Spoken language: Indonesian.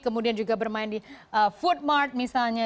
kemudian juga bermain di foodmart misalnya